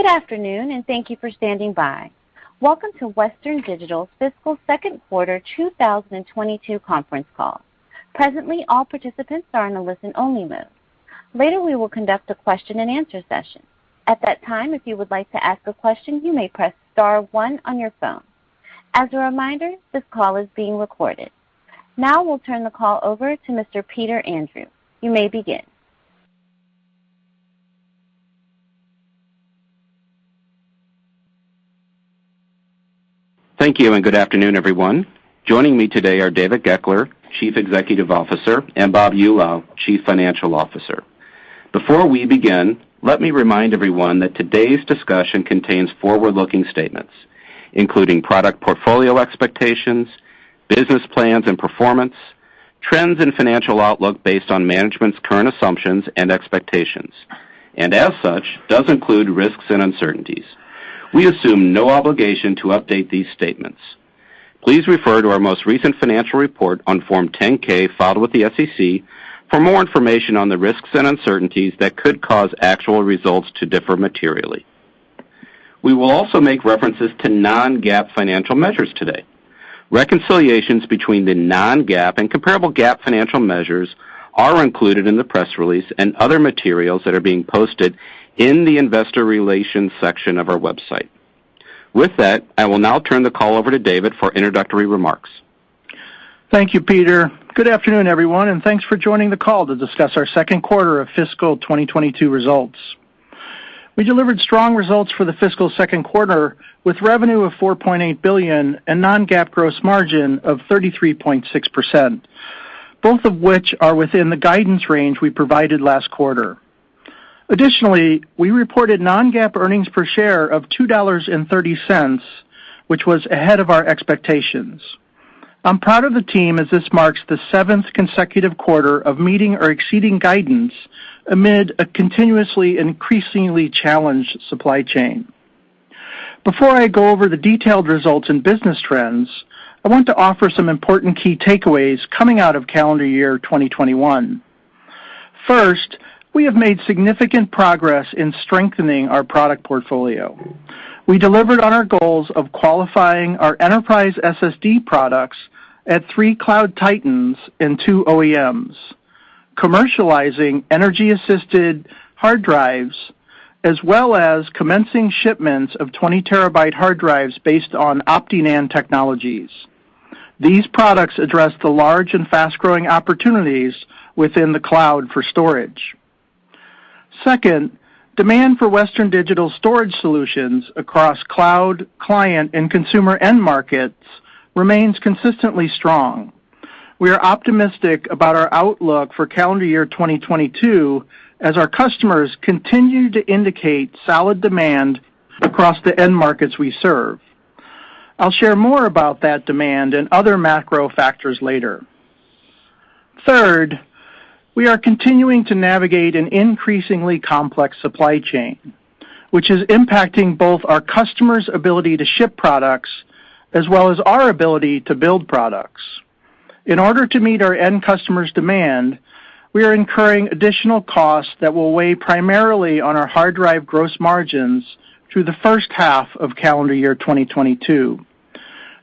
Good afternoon and thank you for standing by. Welcome to Western Digital's fiscal second quarter 2022 conference call. Presently, all participants are in a listen-only mode. Later, we will conduct a question-and-answer session. At that time, if you would like to ask a question, you may press star one on your phone. As a reminder, this call is being recorded. Now we'll turn the call over to Mr. Peter Andrew. You may begin. Thank you, and good afternoon, everyone. Joining me today are David Goeckeler, Chief Executive Officer, and Bob Eulau, Chief Financial Officer. Before we begin, let me remind everyone that today's discussion contains forward-looking statements including product portfolio expectations, business plans and performance, trends and financial outlook based on management's current assumptions and expectations, and as such, does include risks and uncertainties. We assume no obligation to update these statements. Please refer to our most recent financial report on Form 10-K filed with the SEC for more information on the risks and uncertainties that could cause actual results to differ materially. We will also make references to non-GAAP financial measures today. Reconciliations between the non-GAAP and comparable GAAP financial measures are included in the press release and other materials that are being posted in the investor relations section of our website. With that, I will now turn the call over to David for introductory remarks. Thank you, Peter. Good afternoon, everyone, and thanks for joining the call to discuss our second quarter of fiscal 2022 results. We delivered strong results for the fiscal second quarter with revenue of $4.8 billion and non-GAAP gross margin of 33.6%, both of which are within the guidance range we provided last quarter. Additionally, we reported non-GAAP earnings per share of $2.30, which was ahead of our expectations. I'm proud of the team as this marks the seventh consecutive quarter of meeting or exceeding guidance amid a continuously and increasingly challenged supply chain. Before I go over the detailed results and business trends, I want to offer some important key takeaways coming out of calendar year 2021. First, we have made significant progress in strengthening our product portfolio. We delivered on our goals of qualifying our enterprise SSD products at three cloud titans and two OEMs, commercializing energy-assisted hard drives, as well as commencing shipments of 20 TB hard drives based on OptiNAND technologies. These products address the large and fast-growing opportunities within the cloud for storage. Second, demand for Western Digital storage solutions across cloud, client, and consumer end markets remains consistently strong. We are optimistic about our outlook for calendar year 2022 as our customers continue to indicate solid demand across the end markets we serve. I'll share more about that demand and other macro factors later. Third, we are continuing to navigate an increasingly complex supply chain, which is impacting both our customers' ability to ship products as well as our ability to build products. In order to meet our end customers' demand, we are incurring additional costs that will weigh primarily on our hard drive gross margins through the first half of calendar year 2022.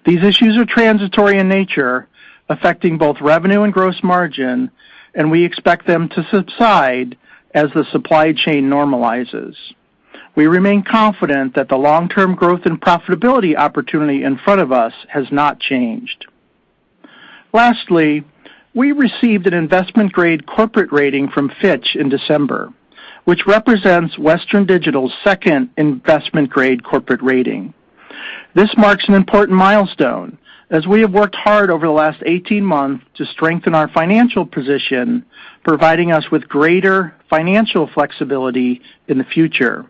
These issues are transitory in nature, affecting both revenue and gross margin, and we expect them to subside as the supply chain normalizes. We remain confident that the long-term growth and profitability opportunity in front of us has not changed. Lastly, we received an investment-grade corporate rating from Fitch in December, which represents Western Digital's second investment-grade corporate rating. This marks an important milestone, as we have worked hard over the last 18 months to strengthen our financial position, providing us with greater financial flexibility in the future.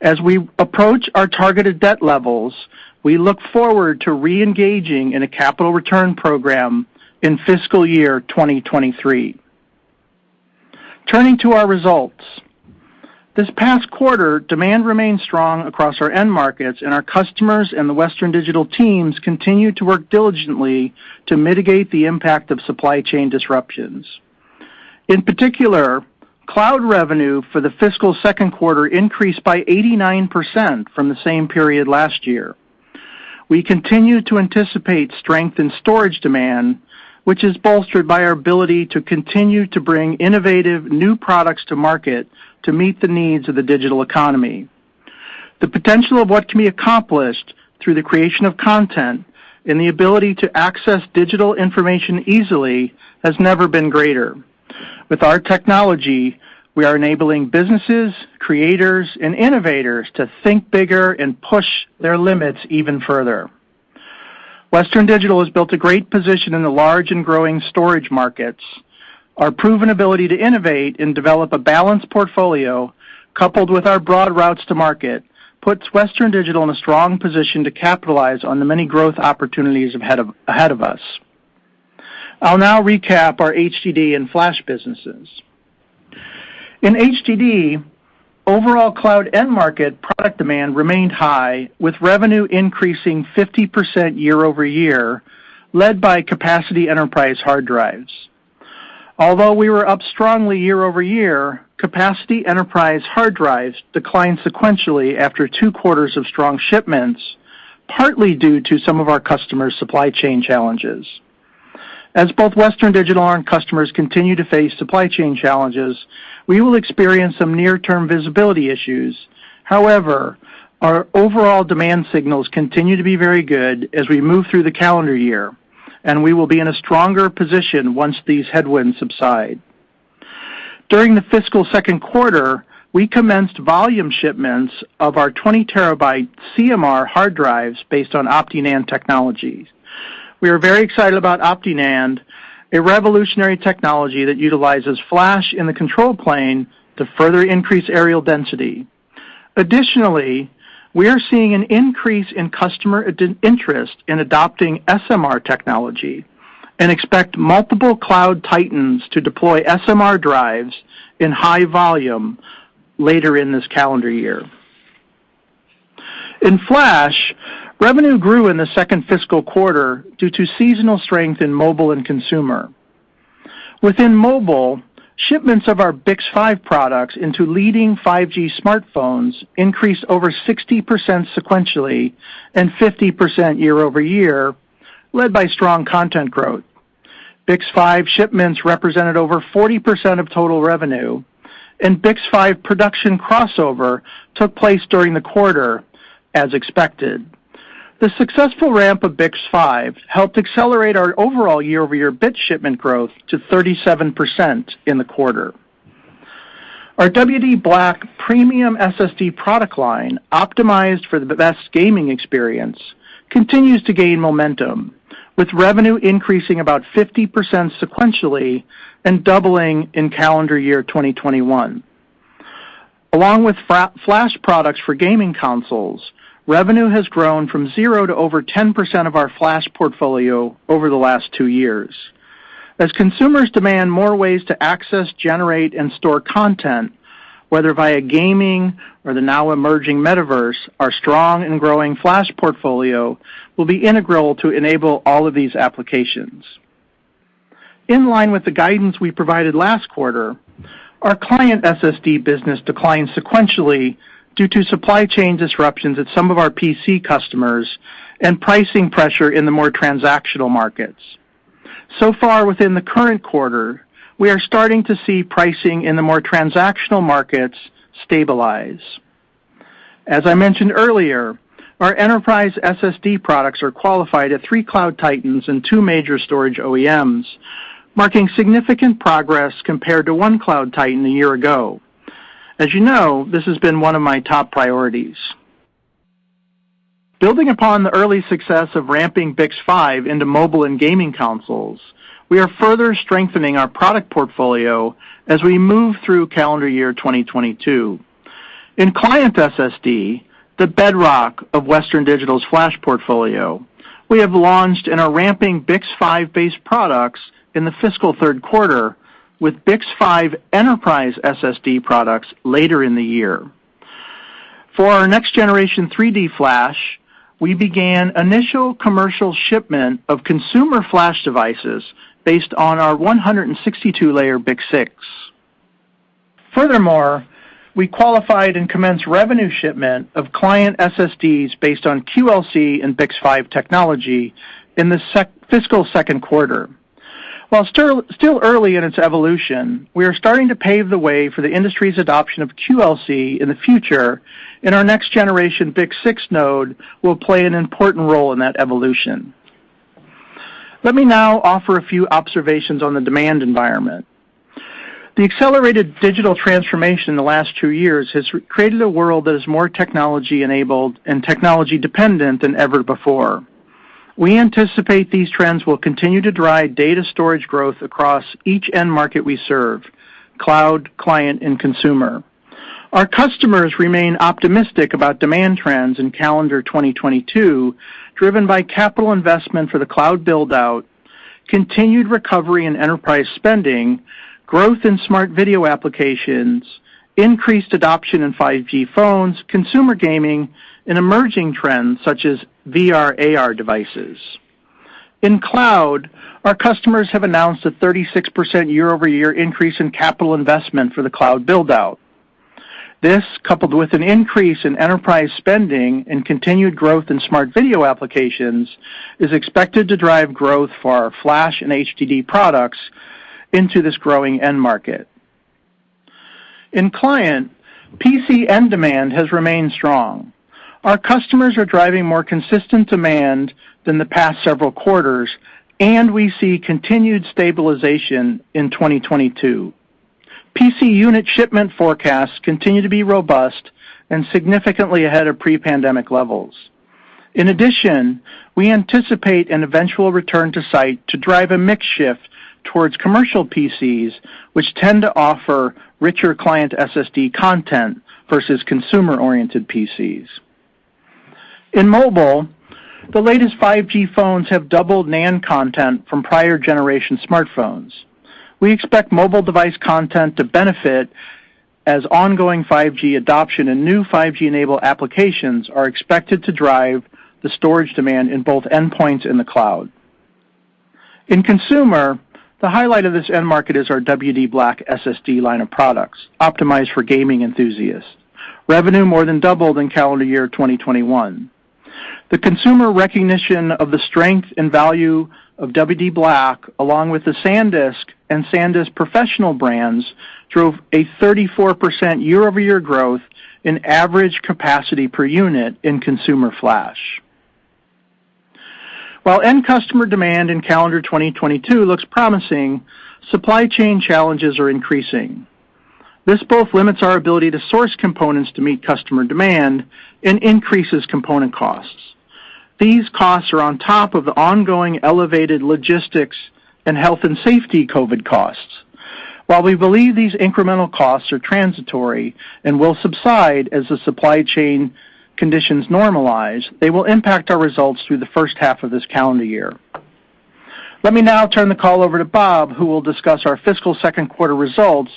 As we approach our targeted debt levels, we look forward to re-engaging in a capital return program in fiscal year 2023. Turning to our results. This past quarter, demand remained strong across our end markets, and our customers and the Western Digital teams continued to work diligently to mitigate the impact of supply chain disruptions. In particular, cloud revenue for the fiscal second quarter increased by 89% from the same period last year. We continue to anticipate strength in storage demand, which is bolstered by our ability to continue to bring innovative new products to market to meet the needs of the digital economy. The potential of what can be accomplished through the creation of content and the ability to access digital information easily has never been greater. With our technology, we are enabling businesses, creators, and innovators to think bigger and push their limits even further. Western Digital has built a great position in the large and growing storage markets. Our proven ability to innovate and develop a balanced portfolio, coupled with our broad routes to market, puts Western Digital in a strong position to capitalize on the many growth opportunities ahead of us. I'll now recap our HDD and flash businesses. In HDD, overall cloud end market product demand remained high with revenue increasing 50% year-over-year, led by capacity enterprise hard drives. Although we were up strongly year-over-year, capacity enterprise hard drives declined sequentially after two quarters of strong shipments, partly due to some of our customers' supply chain challenges. As both Western Digital and customers continue to face supply chain challenges, we will experience some near-term visibility issues. However, our overall demand signals continue to be very good as we move through the calendar year, and we will be in a stronger position once these headwinds subside. During the fiscal second quarter, we commenced volume shipments of our 20 TB CMR hard drives based on OptiNAND technologies. We are very excited about OptiNAND, a revolutionary technology that utilizes flash in the control plane to further increase areal density. Additionally, we are seeing an increase in customer interest in adopting SMR technology and expect multiple cloud titans to deploy SMR drives in high volume later in this calendar year. In flash, revenue grew in the second fiscal quarter due to seasonal strength in mobile and consumer. Within mobile, shipments of our BiCS5 products into leading 5G smartphones increased over 60% sequentially and 50% year-over-year, led by strong content growth. BiCS5 shipments represented over 40% of total revenue, and BiCS5 production crossover took place during the quarter as expected. The successful ramp of BiCS5 helped accelerate our overall year-over-year bit shipment growth to 37% in the quarter. Our WD Black premium SSD product line, optimized for the best gaming experience, continues to gain momentum, with revenue increasing about 50% sequentially and doubling in calendar year 2021. Along with flash products for gaming consoles, revenue has grown from zero to over 10% of our flash portfolio over the last two years. As consumers demand more ways to access, generate, and store content, whether via gaming or the now emerging metaverse, our strong and growing flash portfolio will be integral to enable all of these applications. In line with the guidance we provided last quarter, our client SSD business declined sequentially due to supply chain disruptions at some of our PC customers and pricing pressure in the more transactional markets. So far within the current quarter, we are starting to see pricing in the more transactional markets stabilize. As I mentioned earlier, our enterprise SSD products are qualified at three cloud titans and two major storage OEMs, marking significant progress compared to one cloud titan a year ago. As you know, this has been one of my top priorities. Building upon the early success of ramping BiCS5 into mobile and gaming consoles, we are further strengthening our product portfolio as we move through calendar year 2022. In client SSD, the bedrock of Western Digital's flash portfolio, we have launched and are ramping BiCS5-based products in the fiscal third quarter with BiCS5 enterprise SSD products later in the year. For our next generation 3D flash, we began initial commercial shipment of consumer flash devices based on our 162-layer BiCS6. Furthermore, we qualified and commenced revenue shipment of client SSDs based on QLC and BiCS5 technology in the fiscal second quarter. While still early in its evolution, we are starting to pave the way for the industry's adoption of QLC in the future, and our next generation BiCS6 node will play an important role in that evolution. Let me now offer a few observations on the demand environment. The accelerated digital transformation in the last two years has created a world that is more technology-enabled and technology-dependent than ever before. We anticipate these trends will continue to drive data storage growth across each end market we serve, cloud, client, and consumer. Our customers remain optimistic about demand trends in calendar 2022, driven by capital investment for the cloud build-out, continued recovery in enterprise spending, growth in smart video applications, increased adoption in 5G phones, consumer gaming, and emerging trends such as VR/AR devices. In cloud, our customers have announced a 36% year-over-year increase in capital investment for the cloud build-out. This, coupled with an increase in enterprise spending and continued growth in smart video applications, is expected to drive growth for our flash and HDD products into this growing end market. In client, PC end demand has remained strong. Our customers are driving more consistent demand than the past several quarters, and we see continued stabilization in 2022. PC unit shipment forecasts continue to be robust and significantly ahead of pre-pandemic levels. In addition, we anticipate an eventual return to site to drive a mix shift towards commercial PCs, which tend to offer richer client SSD content versus consumer-oriented PCs. In mobile, the latest 5G phones have doubled NAND content from prior generation smartphones. We expect mobile device content to benefit. As ongoing 5G adoption and new 5G-enabled applications are expected to drive the storage demand in both endpoints in the cloud. In consumer, the highlight of this end market is our WD Black SSD line of products, optimized for gaming enthusiasts. Revenue more than doubled in calendar year 2021. The consumer recognition of the strength and value of WD Black, along with the SanDisk and SanDisk Professional brands, drove a 34% year-over-year growth in average capacity per unit in consumer flash. While end customer demand in calendar 2022 looks promising, supply chain challenges are increasing. This both limits our ability to source components to meet customer demand and increases component costs. These costs are on top of the ongoing elevated logistics and health and safety COVID costs. While we believe these incremental costs are transitory and will subside as the supply chain conditions normalize, they will impact our results through the first half of this calendar year. Let me now turn the call over to Bob, who will discuss our fiscal second quarter results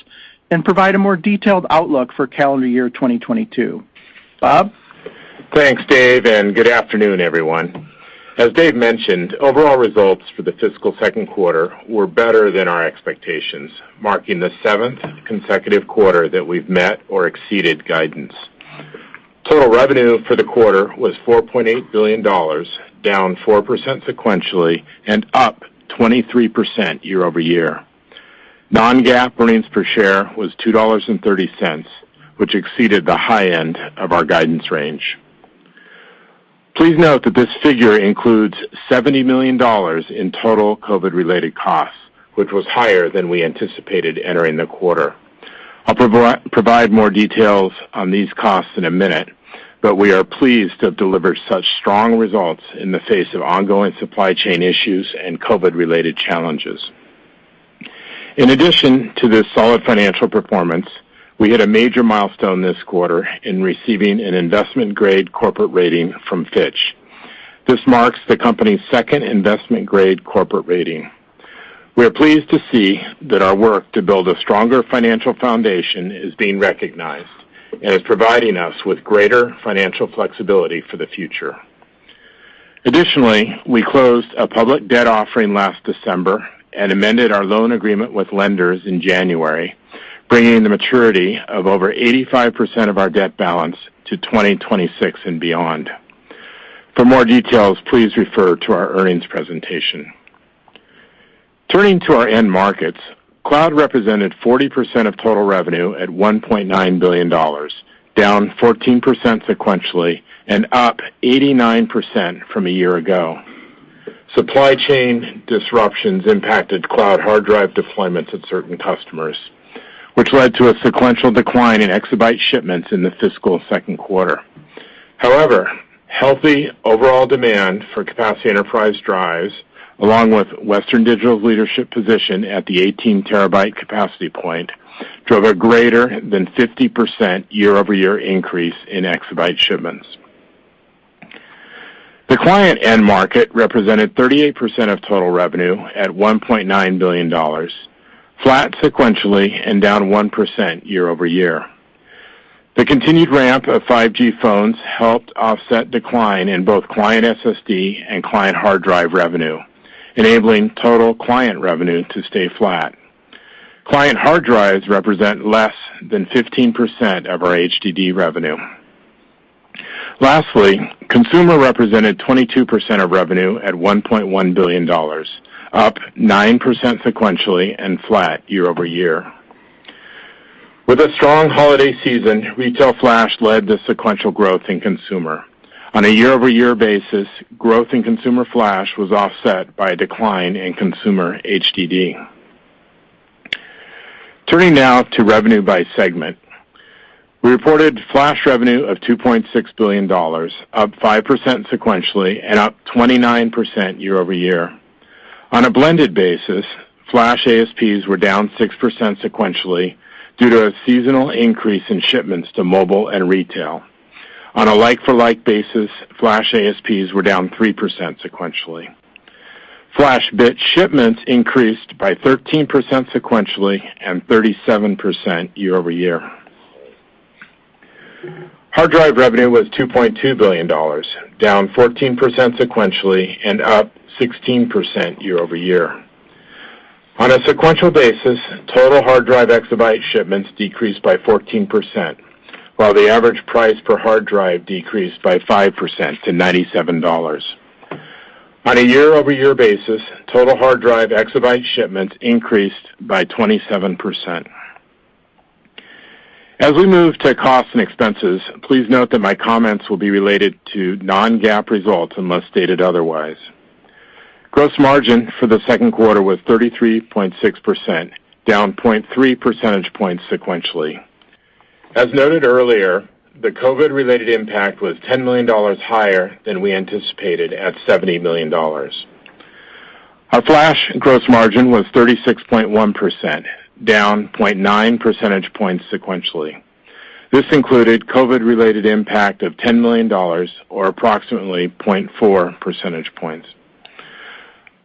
and provide a more detailed outlook for calendar year 2022. Bob? Thanks, Dave, and good afternoon, everyone. As Dave mentioned, overall results for the fiscal second quarter were better than our expectations, marking the seventh consecutive quarter that we've met or exceeded guidance. Total revenue for the quarter was $4.8 billion, down 4% sequentially and up 23% year-over-year. Non-GAAP earnings per share was $2.30, which exceeded the high end of our guidance range. Please note that this figure includes $70 million in total COVID-related costs, which was higher than we anticipated entering the quarter. I'll provide more details on these costs in a minute, but we are pleased to have delivered such strong results in the face of ongoing supply chain issues and COVID-related challenges. In addition to this solid financial performance, we hit a major milestone this quarter in receiving an investment-grade corporate rating from Fitch. This marks the company's second investment-grade corporate rating. We are pleased to see that our work to build a stronger financial foundation is being recognized and is providing us with greater financial flexibility for the future. Additionally, we closed a public debt offering last December and amended our loan agreement with lenders in January, bringing the maturity of over 85% of our debt balance to 2026 and beyond. For more details, please refer to our earnings presentation. Turning to our end markets, cloud represented 40% of total revenue at $1.9 billion, down 14% sequentially and up 89% from a year ago. Supply chain disruptions impacted cloud hard drive deployments at certain customers, which led to a sequential decline in exabyte shipments in the fiscal second quarter. However, healthy overall demand for capacity enterprise drives, along with Western Digital's leadership position at the 18 TB capacity point, drove a greater than 50% year-over-year increase in exabyte shipments. The client end market represented 38% of total revenue at $1.9 billion, flat sequentially and down 1% year-over-year. The continued ramp of 5G phones helped offset decline in both client SSD and client hard drive revenue, enabling total client revenue to stay flat. Client hard drives represent less than 15% of our HDD revenue. Lastly, consumer represented 22% of revenue at $1.1 billion, up 9% sequentially and flat year-over-year. With a strong holiday season, retail flash led to sequential growth in consumer. On a year-over-year basis, growth in consumer flash was offset by a decline in consumer HDD. Turning now to revenue by segment. We reported flash revenue of $2.6 billion, up 5% sequentially and up 29% year-over-year. On a blended basis, flash ASPs were down 6% sequentially due to a seasonal increase in shipments to mobile and retail. On a like-for-like basis, flash ASPs were down 3% sequentially. Flash bit shipments increased by 13% sequentially and 37% year-over-year. Hard drive revenue was $2.2 billion, down 14% sequentially and up 16% year-over-year. On a sequential basis, total hard drive exabyte shipments decreased by 14%, while the average price per hard drive decreased by 5% to $97. On a year-over-year basis, total hard drive exabyte shipments increased by 27%. As we move to costs and expenses, please note that my comments will be related to non-GAAP results unless stated otherwise. Gross margin for the second quarter was 33.6%, down 0.3 percentage points sequentially. As noted earlier, the COVID-related impact was $10 million higher than we anticipated at $70 million. Our flash gross margin was 36.1%, down 0.9 percentage points sequentially. This included COVID-related impact of $10 million or approximately 0.4 percentage points.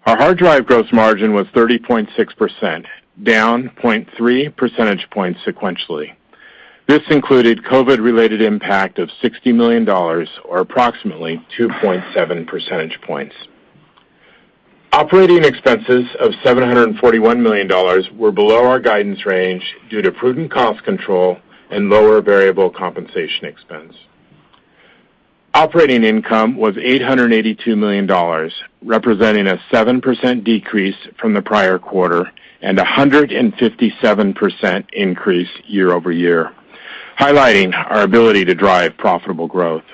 Our hard drive gross margin was 30.6%, down 0.3 percentage points sequentially. This included COVID-related impact of $60 million or approximately 2.7 percentage points. Operating expenses of $741 million were below our guidance range due to prudent cost control and lower variable compensation expense. Operating income was $882 million, representing a 7% decrease from the prior quarter and a 157% increase year-over-year, highlighting our ability to drive profitable growth.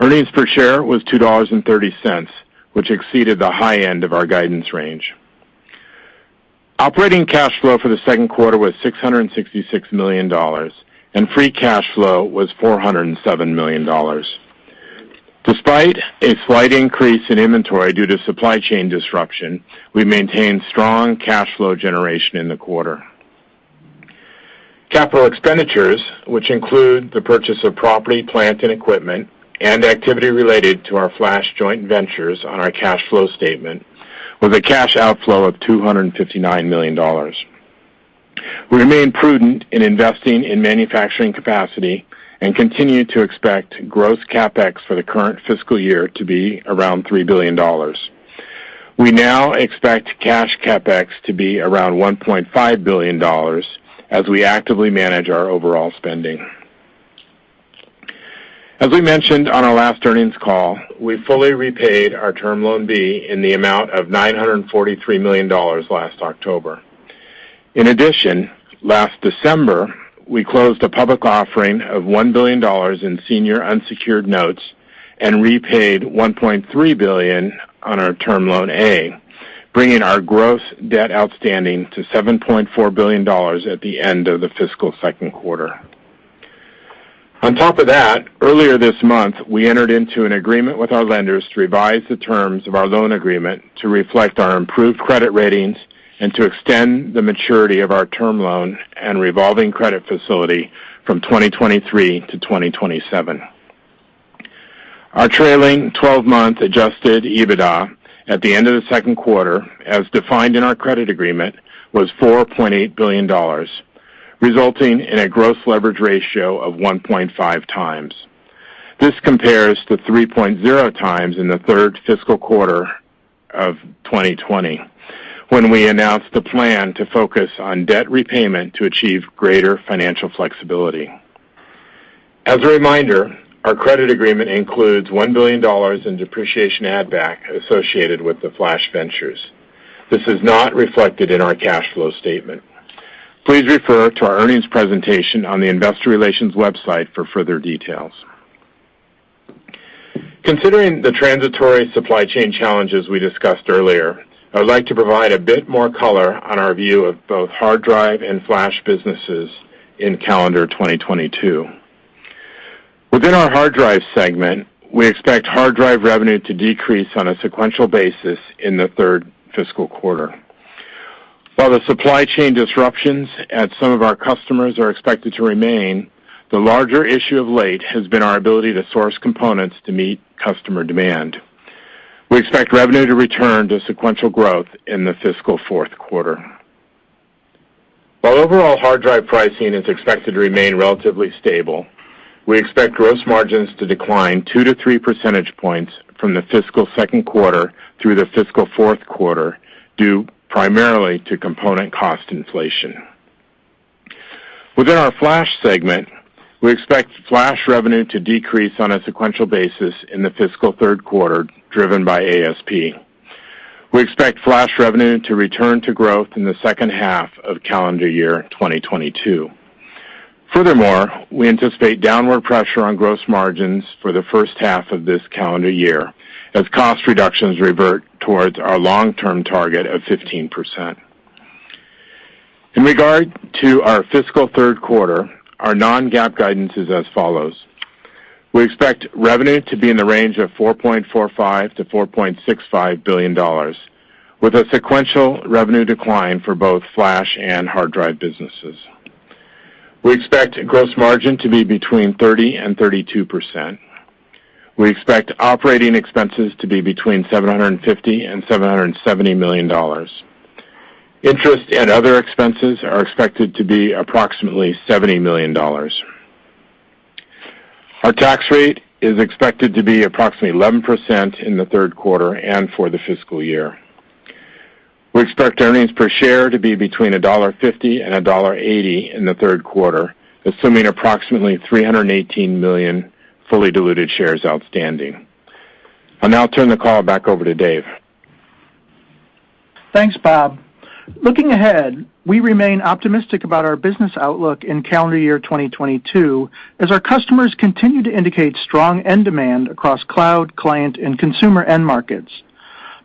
Earnings per share was $2.30, which exceeded the high end of our guidance range. Operating cash flow for the second quarter was $666 million, and free cash flow was $407 million. Despite a slight increase in inventory due to supply chain disruption, we maintained strong cash flow generation in the quarter. Capital expenditures, which include the purchase of property, plant, and equipment and activity related to our flash joint ventures on our cash flow statement with a cash outflow of $259 million. We remain prudent in investing in manufacturing capacity and continue to expect gross CapEx for the current fiscal year to be around $3 billion. We now expect cash CapEx to be around $1.5 billion as we actively manage our overall spending. As we mentioned on our last earnings call, we fully repaid our Term Loan B in the amount of $943 million last October. In addition, last December, we closed a public offering of $1 billion in senior unsecured notes and repaid $1.3 billion on our Term Loan A, bringing our gross debt outstanding to $7.4 billion at the end of the fiscal second quarter. On top of that, earlier this month, we entered into an agreement with our lenders to revise the terms of our loan agreement to reflect our improved credit ratings and to extend the maturity of our term loan and revolving credit facility from 2023 to 2027. Our trailing 12-month adjusted EBITDA at the end of the second quarter, as defined in our credit agreement, was $4.8 billion, resulting in a gross leverage ratio of 1.5x. This compares to 3.0x in the third fiscal quarter of 2020, when we announced the plan to focus on debt repayment to achieve greater financial flexibility. As a reminder, our credit agreement includes $1 billion in depreciation add back associated with the Flash Ventures. This is not reflected in our cash flow statement. Please refer to our earnings presentation on the investor relations website for further details. Considering the transitory supply chain challenges we discussed earlier, I would like to provide a bit more color on our view of both hard drive and flash businesses in calendar 2022. Within our hard drive segment, we expect hard drive revenue to decrease on a sequential basis in the third fiscal quarter. While the supply chain disruptions at some of our customers are expected to remain, the larger issue of late has been our ability to source components to meet customer demand. We expect revenue to return to sequential growth in the fiscal fourth quarter. While overall hard drive pricing is expected to remain relatively stable, we expect gross margins to decline 2-3 percentage points from the fiscal second quarter through the fiscal fourth quarter, due primarily to component cost inflation. Within our flash segment, we expect flash revenue to decrease on a sequential basis in the fiscal third quarter, driven by ASP. We expect flash revenue to return to growth in the second half of calendar year 2022. Furthermore, we anticipate downward pressure on gross margins for the first half of this calendar year as cost reductions revert towards our long-term target of 15%. In regard to our fiscal third quarter, our non-GAAP guidance is as follows. We expect revenue to be in the range of $4.45 billion-$4.65 billion with a sequential revenue decline for both flash and hard drive businesses. We expect gross margin to be between 30% and 32%. We expect operating expenses to be between $750 million and $770 million. Interest and other expenses are expected to be approximately $70 million. Our tax rate is expected to be approximately 11% in the third quarter and for the fiscal year. We expect earnings per share to be between $1.50 and $1.80 in the third quarter, assuming approximately 318 million fully diluted shares outstanding. I'll now turn the call back over to Dave. Thanks, Bob. Looking ahead, we remain optimistic about our business outlook in calendar year 2022 as our customers continue to indicate strong end demand across cloud, client, and consumer end markets.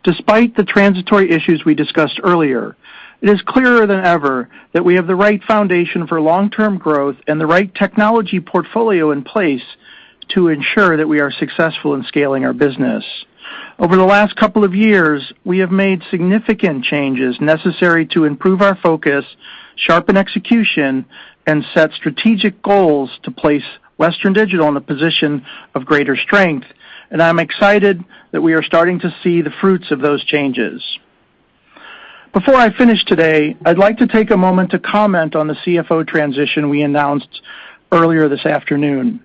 Despite the transitory issues we discussed earlier, it is clearer than ever that we have the right foundation for long-term growth and the right technology portfolio in place to ensure that we are successful in scaling our business. Over the last couple of years, we have made significant changes necessary to improve our focus, sharpen execution, and set strategic goals to place Western Digital in a position of greater strength, and I'm excited that we are starting to see the fruits of those changes. Before I finish today, I'd like to take a moment to comment on the CFO transition we announced earlier this afternoon.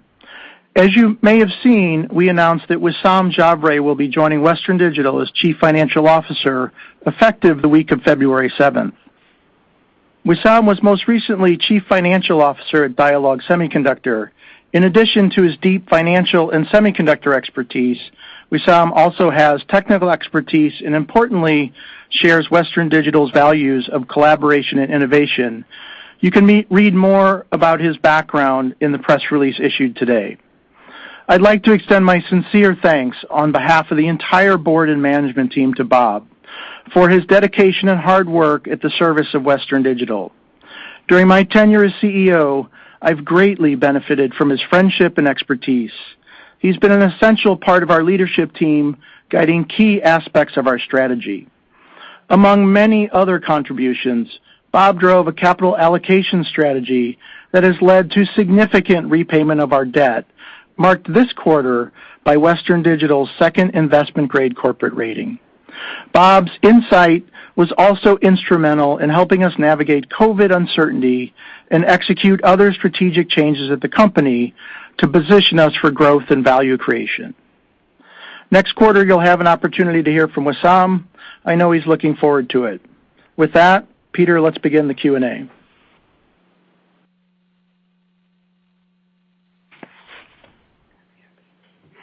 As you may have seen, we announced that Wissam Jabre will be joining Western Digital as Chief Financial Officer effective the week of February 7th. Wissam was most recently Chief Financial Officer at Dialog Semiconductor. In addition to his deep financial and semiconductor expertise, Wissam also has technical expertise and importantly, shares Western Digital's values of collaboration and innovation. You can read more about his background in the press release issued today. I'd like to extend my sincere thanks on behalf of the entire board and management team to Bob for his dedication and hard work in the service of Western Digital. During my tenure as CEO, I've greatly benefited from his friendship and expertise. He's been an essential part of our leadership team, guiding key aspects of our strategy. Among many other contributions, Bob drove a capital allocation strategy that has led to significant repayment of our debt, marked this quarter by Western Digital's second investment-grade corporate rating. Bob's insight was also instrumental in helping us navigate COVID uncertainty and execute other strategic changes at the company to position us for growth and value creation. Next quarter, you'll have an opportunity to hear from Wissam. I know he's looking forward to it. With that, Peter, let's begin the Q&A.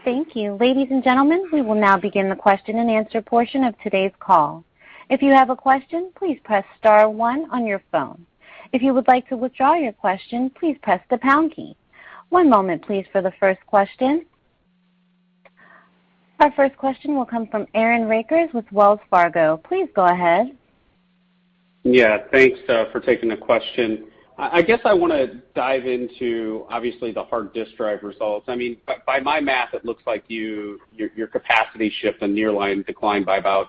Thank you. Ladies and gentlemen, we will now begin the question-and-answer portion of today's call. If you have a question, please press star one on your phone. If you would like to withdraw your question, please press the pound key. One moment, please, for the first question. Our first question will come from Aaron Rakers with Wells Fargo. Please go ahead. Yeah. Thanks for taking the question. I guess I want to dive into, obviously, the hard disk drive results. I mean, by my math, it looks like your capacity shipped and nearline declined by about,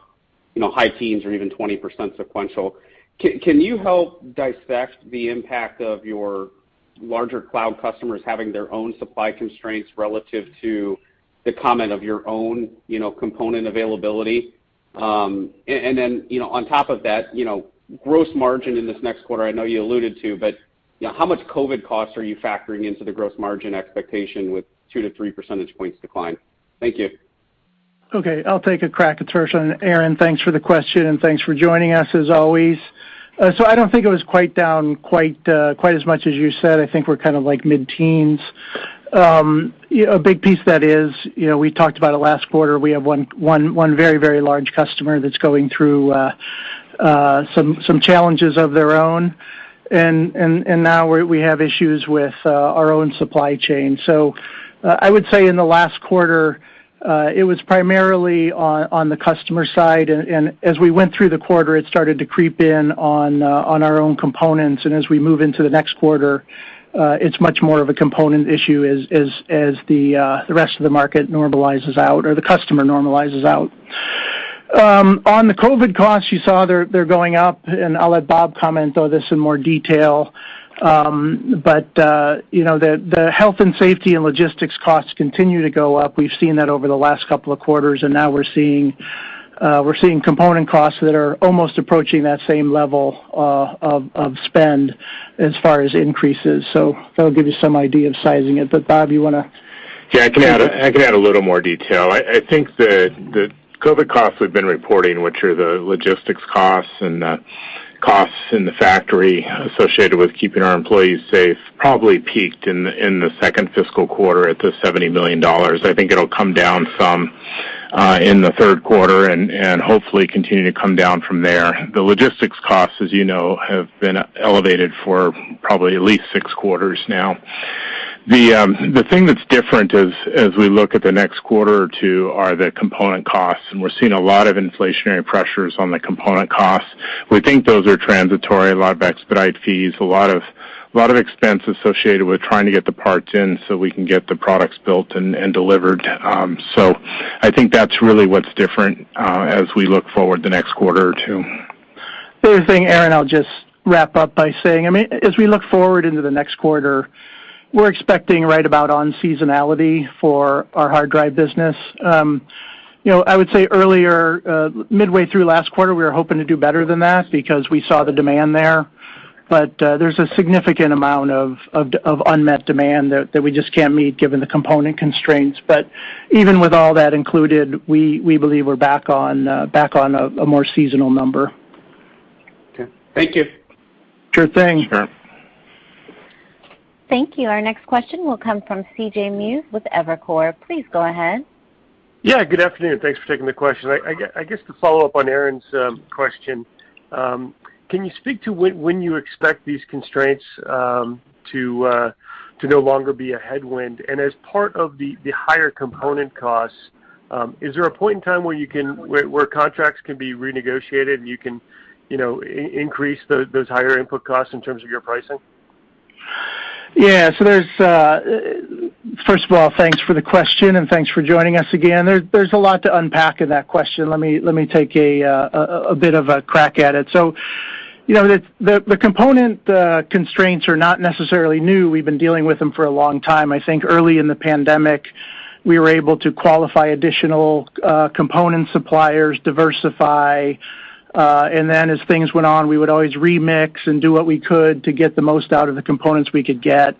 you know, high teens or even 20% sequential. Can you help dissect the impact of your larger cloud customers having their own supply constraints relative to the comment of your own, you know, component availability? And then, you know, on top of that, you know, gross margin in this next quarter, I know you alluded to, but, you know, how much COVID costs are you factoring into the gross margin expectation with 2-3 percentage points decline? Thank you. Okay. I'll take a crack at first. Aaron, thanks for the question, and thanks for joining us, as always. I don't think it was down quite as much as you said. I think we're kind of like mid-teens. You know, a big piece that is, you know, we talked about it last quarter, we have one very large customer that's going through some challenges of their own. Now we have issues with our own supply chain. I would say in the last quarter, it was primarily on the customer side. As we went through the quarter, it started to creep in on our own components. As we move into the next quarter, it's much more of a component issue as the rest of the market normalizes out or the customer normalizes out. On the COVID costs, you saw they're going up, and I'll let Bob comment on this in more detail. You know, the health and safety and logistics costs continue to go up. We've seen that over the last couple of quarters, and now we're seeing component costs that are almost approaching that same level of spend as far as increases. That'll give you some idea of sizing it. Bob, you wanna. Yeah, I can add a little more detail. I think the COVID costs we've been reporting, which are the logistics costs and the costs in the factory associated with keeping our employees safe, probably peaked in the second fiscal quarter at $70 million. I think it'll come down some in the third quarter and hopefully continue to come down from there. The logistics costs, as you know, have been elevated for probably at least six quarters now. The thing that's different as we look at the next quarter or two are the component costs, and we're seeing a lot of inflationary pressures on the component costs. We think those are transitory, a lot of expedite fees, a lot of expense associated with trying to get the parts in so we can get the products built and delivered. I think that's really what's different, as we look forward to the next quarter or two. The other thing, Aaron, I'll just wrap up by saying, I mean, as we look forward into the next quarter, we're expecting right about on seasonality for our hard drive business. You know, I would say earlier, midway through last quarter, we were hoping to do better than that because we saw the demand there. There's a significant amount of unmet demand that we just can't meet given the component constraints. Even with all that included, we believe we're back on a more seasonal number. Okay. Thank you. Sure thing. Sure. Thank you. Our next question will come from CJ Muse with Evercore. Please go ahead. Yeah, good afternoon. Thanks for taking the question. I guess to follow up on Aaron's question, can you speak to when you expect these constraints to no longer be a headwind? As part of the higher component costs, is there a point in time where contracts can be renegotiated, and you can, you know, increase those higher input costs in terms of your pricing? First of all, thanks for the question, and thanks for joining us again. There's a lot to unpack in that question. Let me take a bit of a crack at it. You know, the component constraints are not necessarily new. We've been dealing with them for a long time. I think early in the pandemic, we were able to qualify additional component suppliers, diversify, and then as things went on, we would always remix and do what we could to get the most out of the components we could get.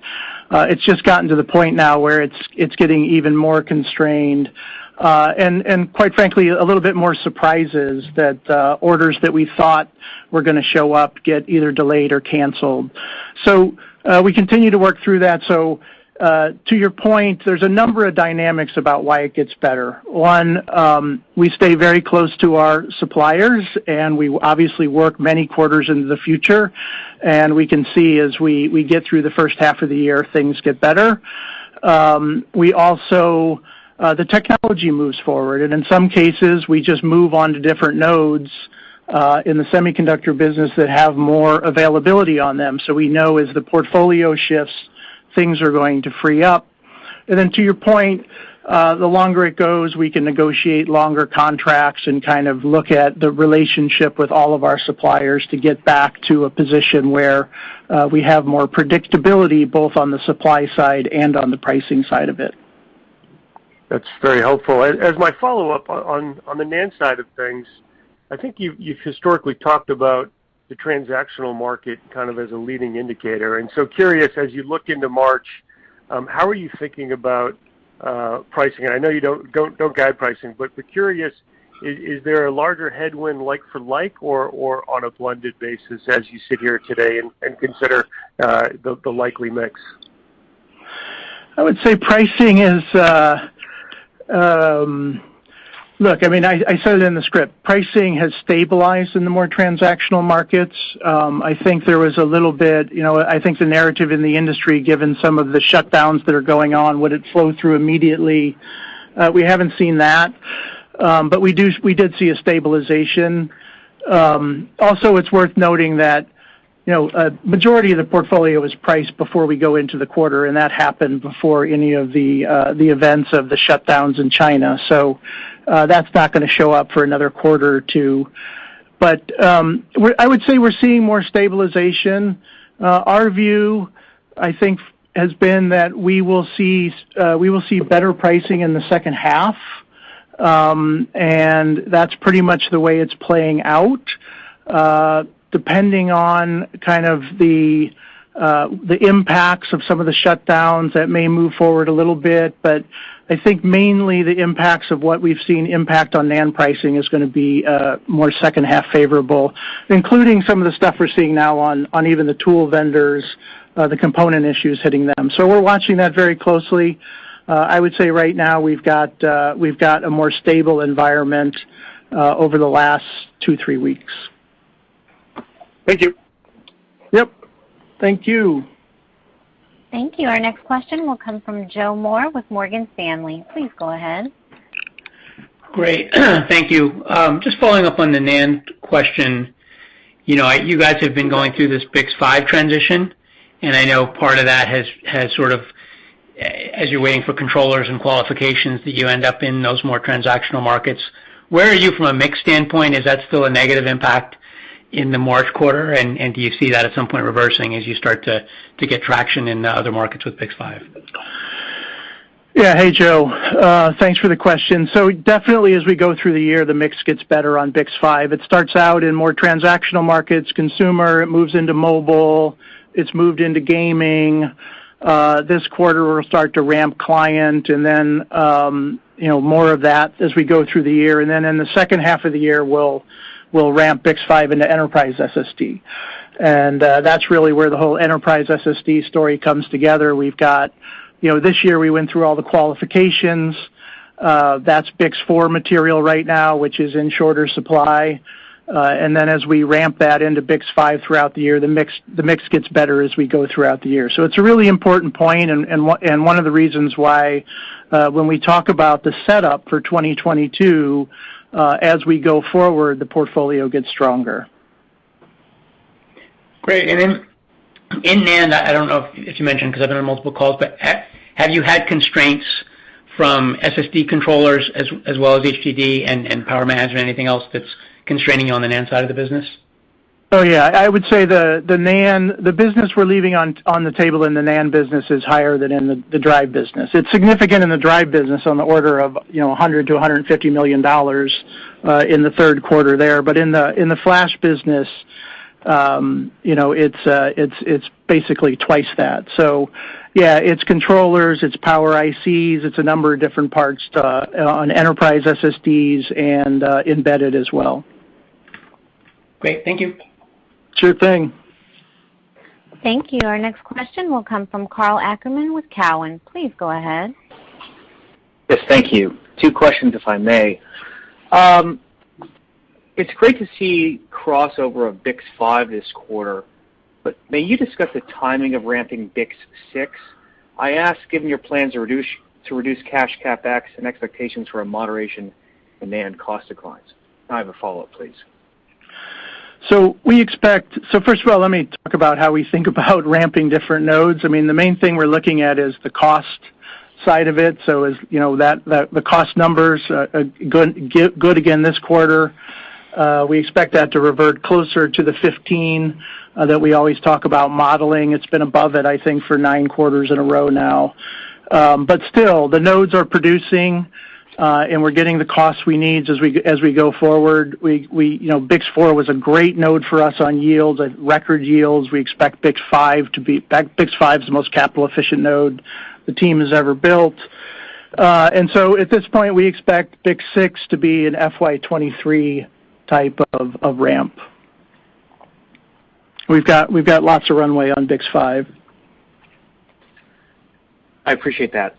It's just gotten to the point now where it's getting even more constrained, and quite frankly, a little bit more surprising that orders that we thought were gonna show up get either delayed or canceled. We continue to work through that. To your point, there's a number of dynamics about why it gets better. One, we stay very close to our suppliers, and we obviously work many quarters into the future, and we can see as we get through the first half of the year, things get better. The technology moves forward, and in some cases, we just move on to different nodes in the semiconductor business that have more availability on them. We know as the portfolio shifts, things are going to free up. To your point, the longer it goes, we can negotiate longer contracts and kind of look at the relationship with all of our suppliers to get back to a position where we have more predictability, both on the supply side and on the pricing side of it. That's very helpful. As my follow-up on the NAND side of things, I think you've historically talked about the transactional market kind of as a leading indicator. Curious, as you look into March, how are you thinking about pricing? I know you don't guide pricing, but curious, is there a larger headwind like for like or on a blended basis as you sit here today and consider the likely mix? I would say pricing is. Look, I mean, I said it in the script. Pricing has stabilized in the more transactional markets. I think there was a little bit. I think the narrative in the industry, given some of the shutdowns that are going on, would it flow through immediately? We haven't seen that, but we did see a stabilization. Also, it's worth noting that a majority of the portfolio is priced before we go into the quarter, and that happened before any of the events of the shutdowns in China. That's not gonna show up for another quarter or two. I would say we're seeing more stabilization. Our view, I think, has been that we will see better pricing in the second half, and that's pretty much the way it's playing out. Depending on kind of the impacts of some of the shutdowns, that may move forward a little bit. I think mainly the impacts of what we've seen impact on NAND pricing is gonna be more second half favorable, including some of the stuff we're seeing now on even the tool vendors, the component issues hitting them. We're watching that very closely. I would say right now we've got a more stable environment over the last two, three weeks. Thank you. Yep. Thank you. Thank you. Our next question will come from Joe Moore with Morgan Stanley. Please go ahead. Great. Thank you. Just following up on the NAND question. You know, you guys have been going through this BiCS5 transition, and I know part of that has sort of, as you're waiting for controllers and qualifications, that you end up in those more transactional markets. Where are you from a mix standpoint? Is that still a negative impact in the March quarter, and do you see that at some point reversing as you start to get traction in the other markets with BiCS5? Yeah. Hey, Joe. Thanks for the question. Definitely, as we go through the year, the mix gets better on BiCS5. It starts out in more transactional markets, consumer, it moves into mobile, it's moved into gaming. This quarter, we'll start to ramp client and then, you know, more of that as we go through the year. Then in the second half of the year, we'll ramp BiCS5 into enterprise SSD. That's really where the whole enterprise SSD story comes together. We've got, you know, this year, we went through all the qualifications, that's BiCS4 material right now, which is in shorter supply. Then as we ramp that into BiCS5 throughout the year, the mix gets better as we go throughout the year. It's a really important point and one of the reasons why, when we talk about the setup for 2022 as we go forward, the portfolio gets stronger. Great. In NAND, I don't know if you mentioned, because I've been on multiple calls, but have you had constraints from SSD controllers as well as HDD and power management, anything else that's constraining you on the NAND side of the business? Oh, yeah. I would say the NAND, the business we're leaving on the table in the NAND business is higher than in the drive business. It's significant in the drive business on the order of, you know, $100 million-$150 million in the third quarter there. In the flash business, you know, it's basically twice that. Yeah, it's controllers, it's power ICs, it's a number of different parts on enterprise SSDs and embedded as well. Great. Thank you. Sure thing. Thank you. Our next question will come from Karl Ackerman with Cowen. Please go ahead. Yes, thank you. Two questions, if I may. It's great to see crossover of BiCS5 this quarter, but may you discuss the timing of ramping BiCS6? I ask given your plans to reduce cash CapEx and expectations for a moderation in NAND cost declines. Now I have a follow-up, please. First of all, let me talk about how we think about ramping different nodes. I mean, the main thing we're looking at is the cost side of it. As you know, the cost numbers good again this quarter. We expect that to revert closer to the 15% that we always talk about modeling. It's been above it, I think, for nine quarters in a row now. Still, the nodes are producing, and we're getting the costs we need as we go forward. We, you know, BiCS4 was a great node for us on yields, like record yields. We expect BiCS5 to be the most capital-efficient node the team has ever built. At this point, we expect BiCS6 to be an FY 2023 type of ramp. We've got lots of runway on BiCS5. I appreciate that.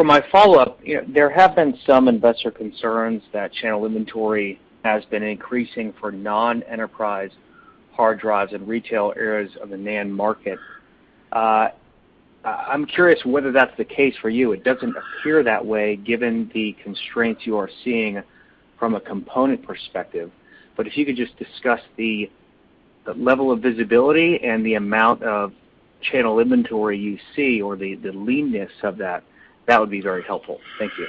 For my follow-up, you know, there have been some investor concerns that channel inventory has been increasing for non-enterprise hard drives in retail areas of the NAND market. I'm curious whether that's the case for you. It doesn't appear that way given the constraints you are seeing from a component perspective. If you could just discuss the level of visibility and the amount of channel inventory you see or the leanness of that would be very helpful. Thank you.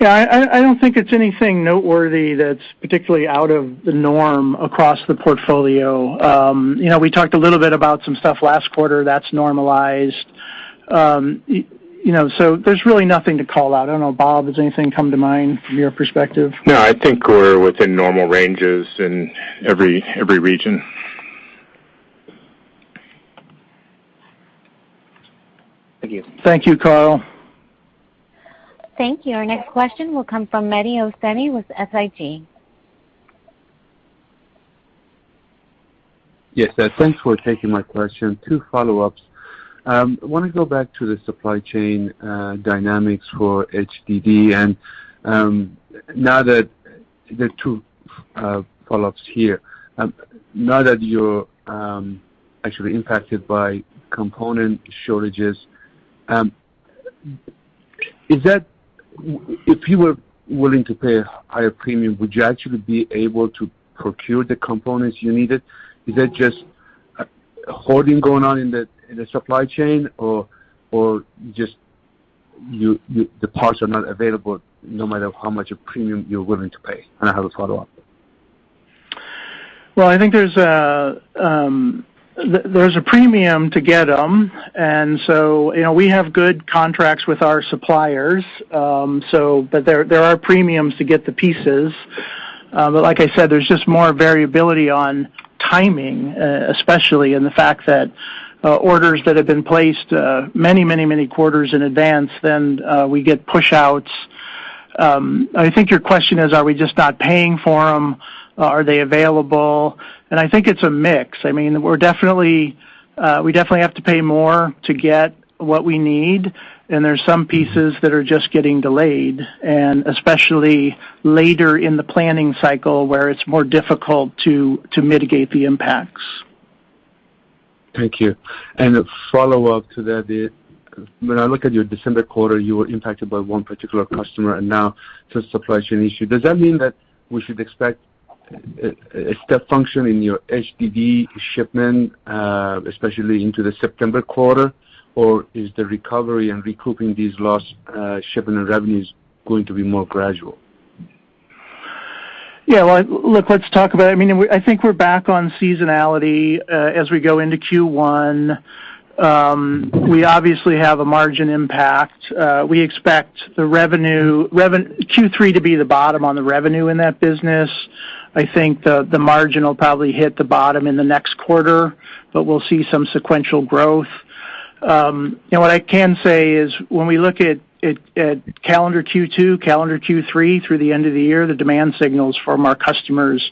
Yeah, I don't think it's anything noteworthy that's particularly out of the norm across the portfolio. You know, we talked a little bit about some stuff last quarter that's normalized. You know, so there's really nothing to call out. I don't know, Bob, does anything come to mind from your perspective? No, I think we're within normal ranges in every region. Thank you. Thank you, Karl. Thank you. Our next question will come from Mehdi Hosseini with SIG. Yes, thanks for taking my question. Two follow-ups. I wanna go back to the supply chain dynamics for HDD. Now that you're actually impacted by component shortages, is that if you were willing to pay a higher premium, would you actually be able to procure the components you needed? Is that just a hoarding going on in the supply chain or just the parts are not available no matter how much a premium you're willing to pay? I have a follow-up. Well, I think there's a premium to get them. You know, we have good contracts with our suppliers, but there are premiums to get the pieces. Like I said, there's just more variability on timing, especially in the fact that orders that have been placed many quarters in advance, then we get push outs. I think your question is, are we just not paying for them? Are they available? I think it's a mix. I mean, we're definitely have to pay more to get what we need, and there's some pieces that are just getting delayed, and especially later in the planning cycle where it's more difficult to mitigate the impacts. Thank you. A follow-up to that. When I look at your December quarter, you were impacted by one particular customer and now the supply chain issue. Does that mean that we should expect a step function in your HDD shipment, especially into the September quarter? Or is the recovery and recouping these lost shipment and revenues going to be more gradual? Yeah, well, look, let's talk about it. I mean, I think we're back on seasonality as we go into Q1. We obviously have a margin impact. We expect the revenue Q3 to be the bottom on the revenue in that business. I think the margin will probably hit the bottom in the next quarter, but we'll see some sequential growth. What I can say is when we look at calendar Q2, calendar Q3 through the end of the year, the demand signals from our customers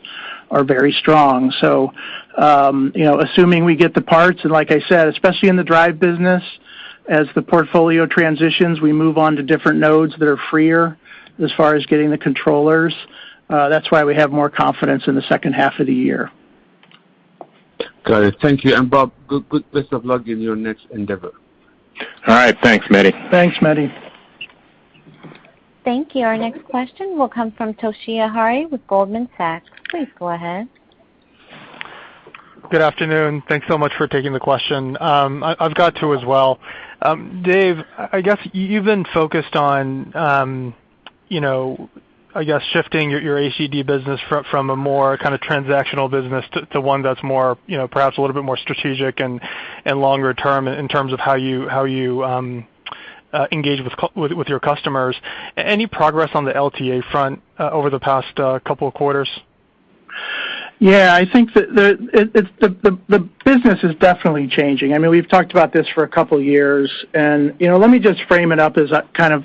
are very strong. You know, assuming we get the parts, and like I said, especially in the drive business, as the portfolio transitions, we move on to different nodes that are freer as far as getting the controllers. That's why we have more confidence in the second half of the year. Got it. Thank you. Bob, good best of luck in your next endeavor. All right. Thanks, Mehdi. Thanks, Mehdi. Thank you. Our next question will come from Toshiya Hari with Goldman Sachs. Please go ahead. Good afternoon. Thanks so much for taking the question. I've got two as well. Dave, I guess you've been focused on, you know, I guess shifting your HDD business from a more kind of transactional business to one that's more, you know, perhaps a little bit more strategic and longer term in terms of how you engage with your customers. Any progress on the LTA front over the past couple of quarters? Yeah, I think the business is definitely changing. I mean, we've talked about this for a couple years and, you know, let me just frame it up as kind of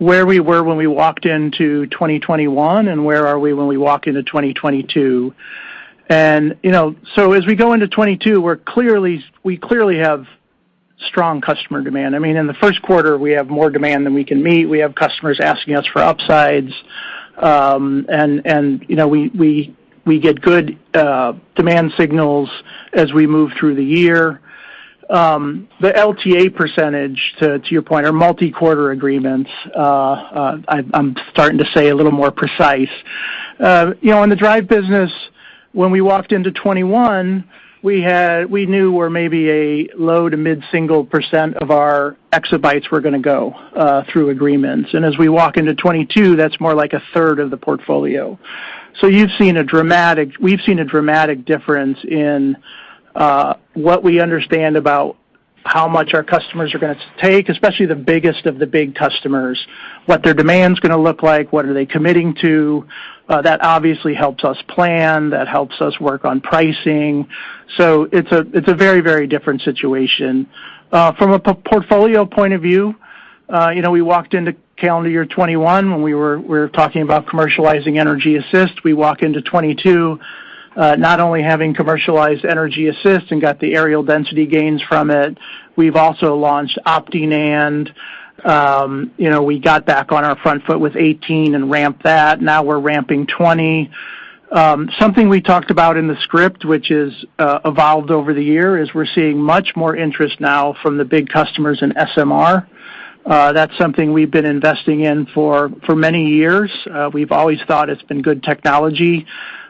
where we were when we walked into 2021 and where are we when we walk into 2022. You know, as we go into 2022, we clearly have strong customer demand. I mean, in the first quarter, we have more demand than we can meet. We have customers asking us for upsides. You know, we get good demand signals as we move through the year. The LTA percentage to your point are multi-quarter agreements. I'm starting to say a little more precise. You know, in the drive business, when we walked into 2021, we knew where maybe a low- to mid-single % of our exabytes were gonna go through agreements. As we walk into 2022, that's more like 1/3 of the portfolio. We've seen a dramatic difference in what we understand about how much our customers are gonna take, especially the biggest of the big customers, what their demand's gonna look like, what are they committing to. That obviously helps us plan, that helps us work on pricing. It's a very, very different situation. From a portfolio point of view, you know, we walked into calendar year 2021 when we were talking about commercializing Energy Assist. We walk into 2022, not only having commercialized Energy Assist and got the areal density gains from it, we've also launched OptiNAND. You know, we got back on our front foot with 18 TB and ramped that. Now we're ramping 20 TB. Something we talked about in the script, which has evolved over the year, is we're seeing much more interest now from the big customers in SMR. That's something we've been investing in for many years. We've always thought it's been good technology.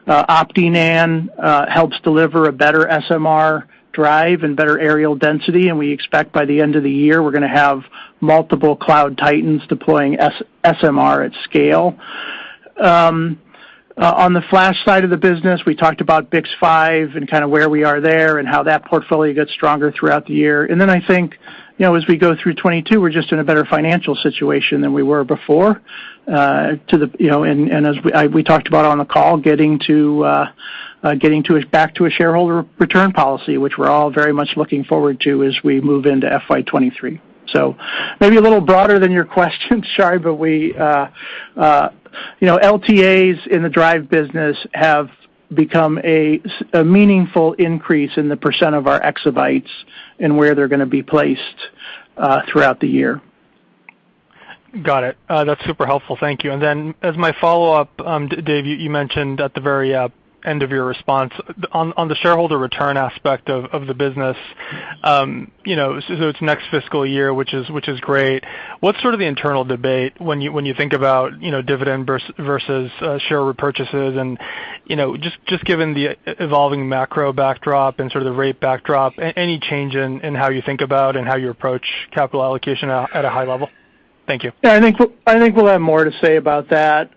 OptiNAND helps deliver a better SMR drive and better areal density, and we expect by the end of the year, we're gonna have multiple cloud titans deploying SMR at scale. On the flash side of the business, we talked about BiCS5 and kinda where we are there and how that portfolio gets stronger throughout the year. I think, you know, as we go through 2022, we're just in a better financial situation than we were before, to the, you know, and as we talked about on the call, getting back to a shareholder return policy, which we're all very much looking forward to as we move into FY 2023. So maybe a little broader than your question. Sorry, but we, you know, LTAs in the drive business have become a meaningful increase in the percent of our exabytes and where they're gonna be placed throughout the year. Got it. That's super helpful. Thank you. As my follow-up, Dave, you mentioned at the very end of your response, on the shareholder return aspect of the business, you know, so it's next fiscal year, which is great. What's sort of the internal debate when you think about, you know, dividend versus share repurchases? You know, just given the evolving macro backdrop and sort of the rate backdrop, any change in how you think about and how you approach capital allocation at a high level? Thank you. I think we'll have more to say about that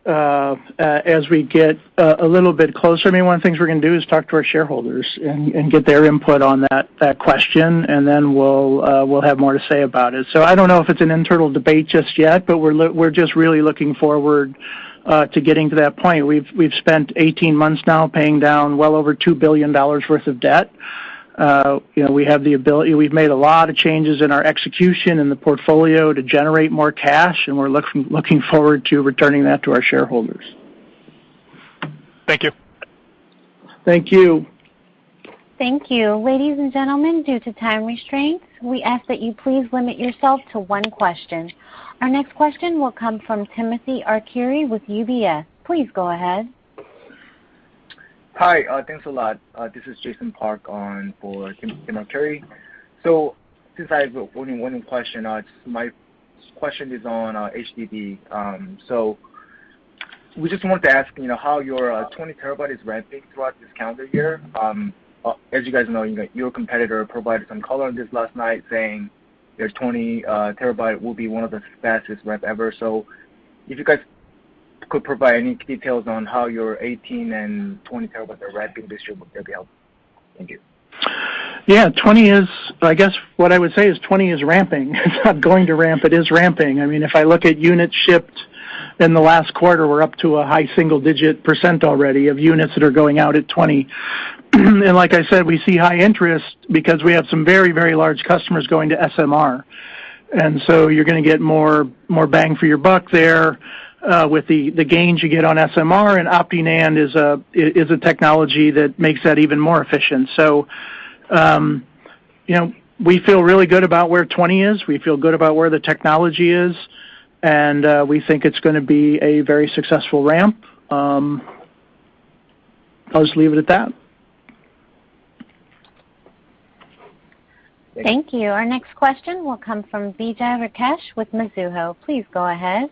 as we get a little bit closer. I mean, one of the things we're gonna do is talk to our shareholders and get their input on that question, and then we'll have more to say about it. I don't know if it's an internal debate just yet, but we're just really looking forward to getting to that point. We've spent 18 months now paying down well over $2 billion worth of debt. You know, we have the ability. We've made a lot of changes in our execution in the portfolio to generate more cash, and we're looking forward to returning that to our shareholders. Thank you. Thank you. Thank you. Ladies and gentlemen, due to time constraints, we ask that you please limit yourself to one question. Our next question will come from Timothy Arcuri with UBS. Please go ahead. Hi. Thanks a lot. This is Jason Park on for Timothy Arcuri. Since I have only one question, my question is on HDD. We just wanted to ask, you know, how your 20 TB is ramping throughout this calendar year. As you guys know, you know, your competitor provided some color on this last night saying their 20 TB will be one of the fastest ramp ever. If you guys could provide any details on how your 18 TB and 20 TB are ramping this year, that'd be helpful. Thank you. Yeah, 20 TB is ramping. I guess what I would say is 20 TB is ramping. It's not going to ramp. It is ramping. I mean, if I look at units shipped in the last quarter, we're up to a high single-digit % already of units that are going out at 20 TB. Like I said, we see high interest because we have some very, very large customers going to SMR. You're gonna get more bang for your buck there, with the gains you get on SMR, and OptiNAND is a technology that makes that even more efficient. You know, we feel really good about where 20 TB is. We feel good about where the technology is, and we think it's gonna be a very successful ramp. I'll just leave it at that. Thank you. Thank you. Our next question will come from Vijay Rakesh with Mizuho. Please go ahead.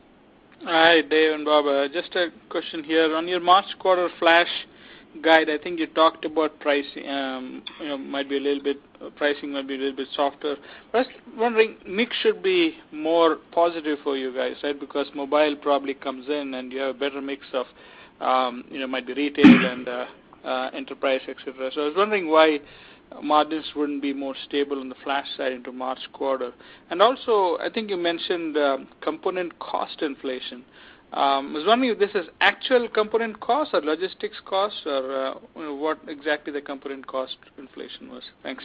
Hi, Dave and Bob. Just a question here. On your March quarter flash guide, I think you talked about pricing might be a little bit softer. I'm wondering, mix should be more positive for you guys, right? Because mobile probably comes in, and you have a better mix of, you know, might be retail and enterprise, et cetera. I was wondering why margins wouldn't be more stable in the flash side into March quarter. Also, I think you mentioned component cost inflation. I was wondering if this is actual component costs or logistics costs or, you know, what exactly the component cost inflation was. Thanks.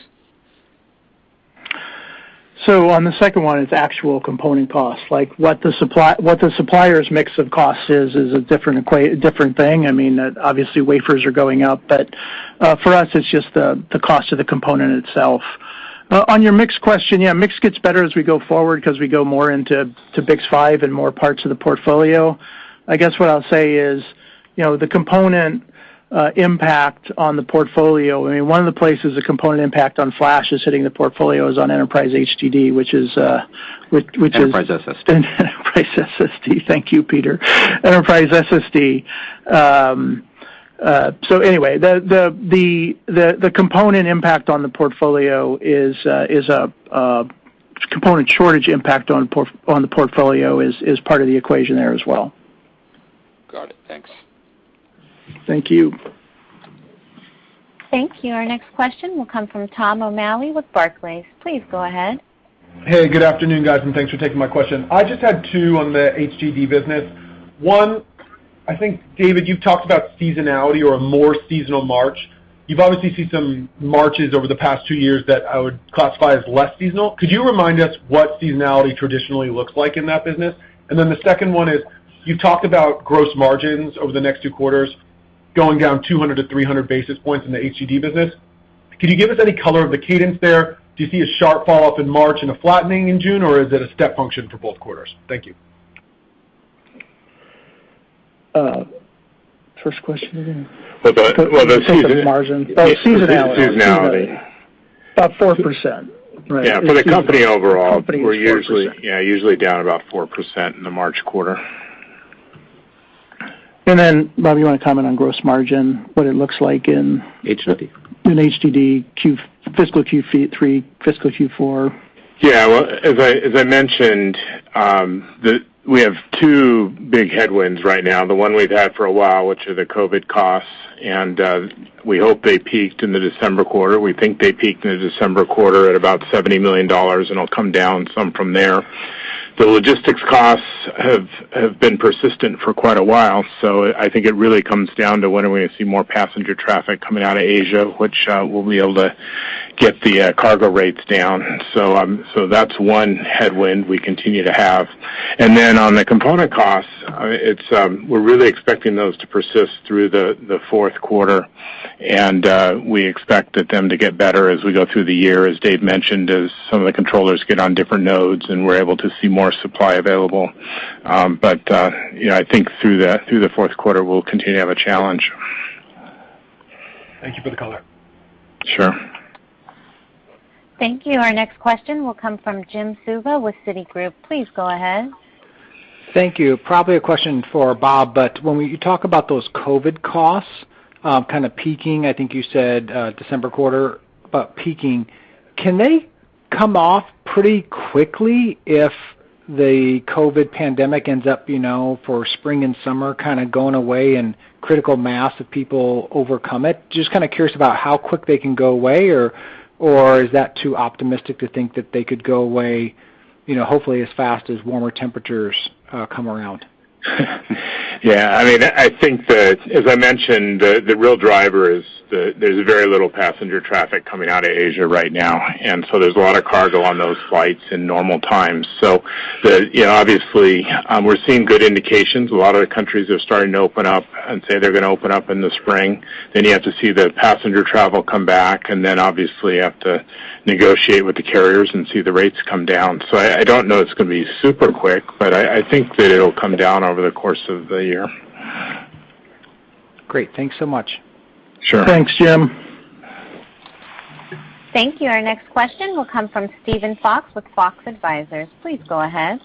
On the second one, it's actual component costs. Like, what the supplier's mix of costs is a different thing. I mean, obviously, wafers are going up, but for us, it's just the cost of the component itself. On your mix question, yeah, mix gets better as we go forward 'cause we go more into BiCS5 and more parts of the portfolio. I guess what I'll say is, you know, the component impact on the portfolio, I mean, one of the places the component impact on flash is hitting the portfolio is on enterprise HDD, which is. Enterprise SSD. Enterprise SSD. Thank you, Peter. Enterprise SSD. A component shortage impact on the portfolio is part of the equation there as well. Got it. Thanks. Thank you. Thank you. Our next question will come from Tom O'Malley with Barclays. Please go ahead. Hey, good afternoon, guys, and thanks for taking my question. I just had two on the HDD business. One, I think, David, you've talked about seasonality or a more seasonal March. You've obviously seen some Marches over the past two years that I would classify as less seasonal. Could you remind us what seasonality traditionally looks like in that business? The second one is, you talked about gross margins over the next two quarters going down 200-300 basis points in the HDD business. Could you give us any color of the cadence there? Do you see a sharp falloff in March and a flattening in June, or is it a step function for both quarters? Thank you. First question again? Well, the season. Gross margin. Oh, seasonality. Seasonality. About 4%, right? Yeah, for the company overall. company is 4%. We're usually down about 4% in the March quarter. Bob, you wanna comment on gross margin, what it looks like in. HDD. in HDD Q3, fiscal Q3, fiscal Q4. Yeah. Well, as I mentioned, we have two big headwinds right now. The one we've had for a while, which are the COVID costs, and we hope they peaked in the December quarter. We think they peaked in the December quarter at about $70 million, and it'll come down some from there. The logistics costs have been persistent for quite a while, so I think it really comes down to when are we gonna see more passenger traffic coming out of Asia, which we'll be able to get the cargo rates down. That's one headwind we continue to have. Then on the component costs, I mean, we're really expecting those to persist through the fourth quarter. We expect them to get better as we go through the year, as Dave mentioned, as some of the controllers get on different nodes, and we're able to see more supply available. You know, I think through the fourth quarter, we'll continue to have a challenge. Thank you for the color. Sure. Thank you. Our next question will come from Jim Suva with Citigroup. Please go ahead. Thank you. Probably a question for Bob. You talk about those COVID costs, kind of peaking, I think you said, December quarter about peaking. Can they come off pretty quickly if the COVID pandemic ends up, you know, for spring and summer, kinda going away and critical mass of people overcome it? Just kinda curious about how quick they can go away, or is that too optimistic to think that they could go away, you know, hopefully as fast as warmer temperatures come around? Yeah. I mean, I think that, as I mentioned, the real driver is that there's very little passenger traffic coming out of Asia right now, and so there's a lot of cargo on those flights in normal times. You know, obviously, we're seeing good indications. A lot of the countries are starting to open up and say they're gonna open up in the spring. You have to see the passenger travel come back, and then obviously you have to negotiate with the carriers and see the rates come down. I don't know, it's gonna be super quick, but I think that it'll come down over the course of the year. Great. Thanks so much. Sure. Thanks, Jim. Thank you. Our next question will come from Steven Fox with Fox Advisors. Please go ahead.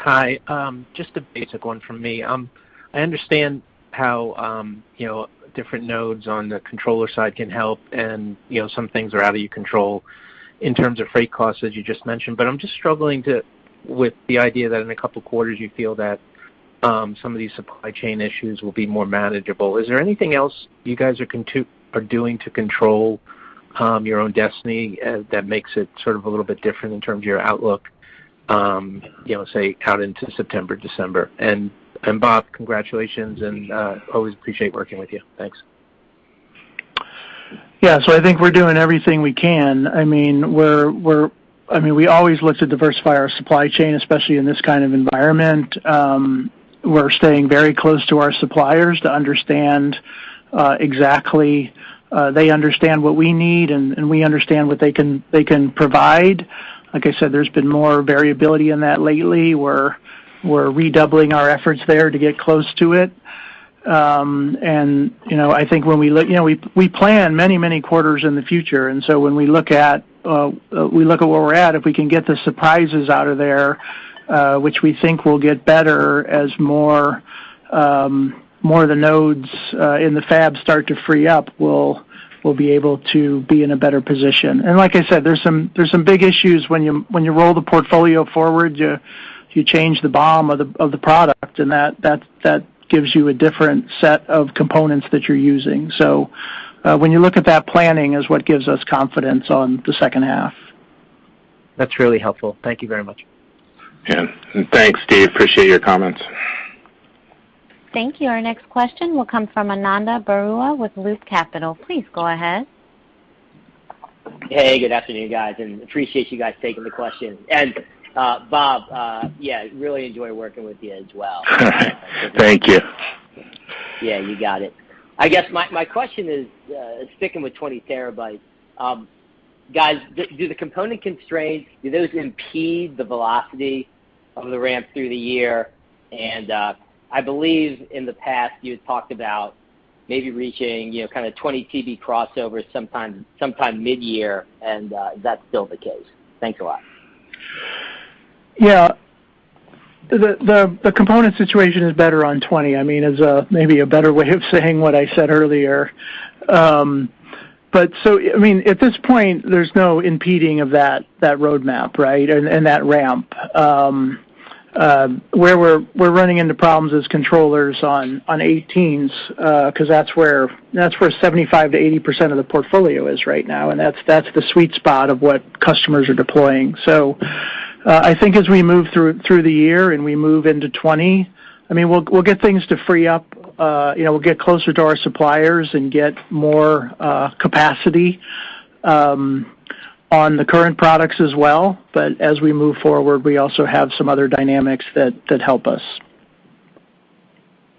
Hi. Just a basic one from me. I understand how, you know, different nodes on the controller side can help and, you know, some things are out of your control in terms of freight costs, as you just mentioned. I'm just struggling with the idea that in a couple quarters you feel that, some of these supply chain issues will be more manageable. Is there anything else you guys are doing to control, your own destiny, that makes it sort of a little bit different in terms of your outlook, you know, say, out into September, December? Bob, congratulations, and always appreciate working with you. Thanks. Yeah. I think we're doing everything we can. I mean, we always look to diversify our supply chain, especially in this kind of environment. We're staying very close to our suppliers to understand exactly they understand what we need, and we understand what they can provide. Like I said, there's been more variability in that lately. We're redoubling our efforts there to get close to it. You know, I think when we look, you know, we plan many quarters in the future, and so when we look at where we're at, if we can get the surprises out of there, which we think will get better as more of the nodes in the fabs start to free up, we'll be able to be in a better position. Like I said, there's some big issues when you roll the portfolio forward, you change the BOM of the product, and that gives you a different set of components that you're using. When you look at that, planning is what gives us confidence on the second half. That's really helpful. Thank you very much. Yeah. Thanks, Steve. I appreciate your comments. Thank you. Our next question will come from Ananda Baruah with Loop Capital. Please go ahead. Hey, good afternoon, guys. I appreciate you guys taking the question. Bob, yeah, I really enjoy working with you as well. Thank you. Yeah, you got it. I guess my question is, sticking with 20 TB. Guys, do the component constraints impede the velocity of the ramp through the year? I believe in the past you had talked about maybe reaching, you know, kind of 20 TB crossover sometime mid-year, and is that still the case? Thanks a lot. Yeah. The component situation is better on 20 TB, I mean, as maybe a better way of saying what I said earlier. I mean, at this point, there's no impeding of that roadmap, right? That ramp. Where we're running into problems is controllers on 18 TB, 'cause that's where 75%-80% of the portfolio is right now, and that's the sweet spot of what customers are deploying. I think as we move through the year and we move into 20 TB, I mean, we'll get things to free up, you know, we'll get closer to our suppliers and get more capacity on the current products as well. As we move forward, we also have some other dynamics that help us.